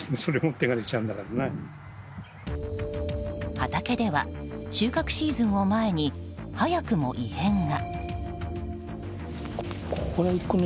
畑では、収穫シーズンを前に早くも異変が。